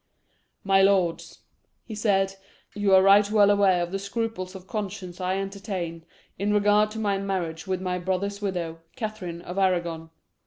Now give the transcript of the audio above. "My lords," he said, "ye are right well aware of the scruples of conscience I entertain in regard to my marriage with my brother's widow, Catherine of Arragon.